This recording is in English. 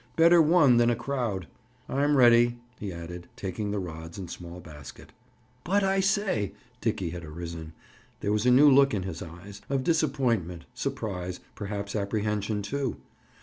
Better one than a crowd! "I'm ready," he added, taking the rods and small basket. "But, I say—" Dickie had arisen. There was a new look in his eyes—of disappointment, surprise—perhaps apprehension, too!